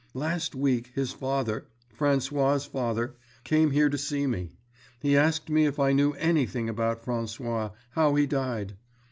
Last week his father—François's father—came here to see me. He asked me if I knew anything about François—how he died.